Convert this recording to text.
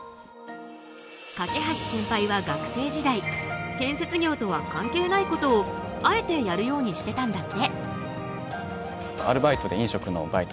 梯センパイは学生時代建設業とは関係ないことをあえてやるようにしてたんだって。